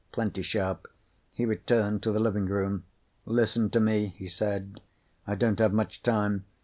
Plenty sharp. He returned to the living room. "Listen to me," he said. "I don't have much time.